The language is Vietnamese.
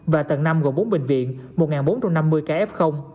và tầng năm gồm bốn bệnh viện một bốn trăm năm mươi ca f